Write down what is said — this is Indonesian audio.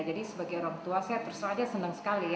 jadi sebagai orang tua saya terserah aja senang sekali ya